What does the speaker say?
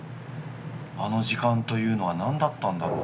あの時間というのは何だったんだろう。